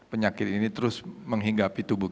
penyakit ini terus menghinggapi tubuh